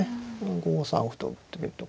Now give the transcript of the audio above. ５三歩と打ってみるとか。